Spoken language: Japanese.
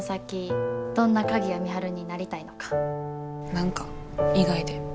何か意外で。